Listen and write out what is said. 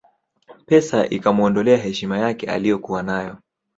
Pesa ikamuondolea heshima yake aliyokuwa nayo